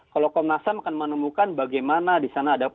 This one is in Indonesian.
kalau komnas ham akan menemukan bagaimana di sana ada